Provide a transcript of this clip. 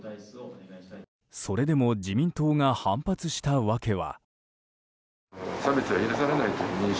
それでも自民党が反発した訳は。